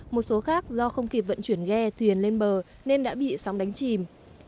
một số khác do không kịp vận chuyển ghe thuyền lên bờ nên đã bị sóng đánh chìm